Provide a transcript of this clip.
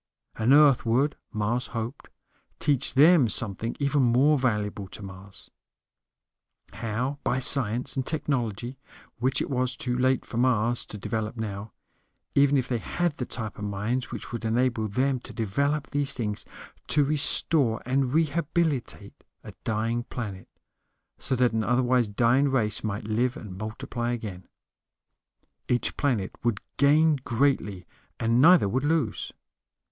And Earth would, Mars hoped, teach them something even more valuable to Mars: how, by science and technology which it was too late for Mars to develop now, even if they had the type of minds which would enable them to develop these things to restore and rehabilitate a dying planet, so that an otherwise dying race might live and multiply again. Each planet would gain greatly, and neither would lose.